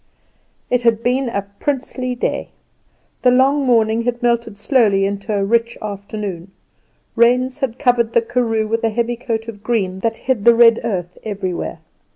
It had been a princely day. The long morning had melted slowly into a rich afternoon. Rains had covered the karoo with a heavy coat of green that hid the red earth everywhere.